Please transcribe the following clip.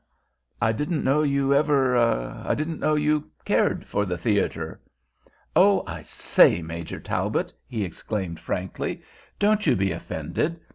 I didn't know you ever—I didn't know you cared for the theater. Oh, I say, Major Talbot," he exclaimed frankly, "don't you be offended.